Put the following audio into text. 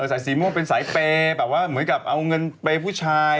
สายสีม่วงเป็นสายเป่เหมือนกับเอาเงินเป็นผู้ชาย